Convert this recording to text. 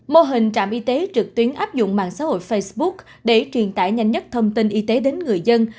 mô hình trạm y tế trực tuyến áp dụng mạng xã hội facebook để truyền tải nhanh nhất thông tin y tế đến người dân